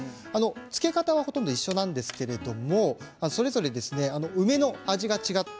漬け方はほとんど一緒なんですけれどもそれぞれ梅の味が違い。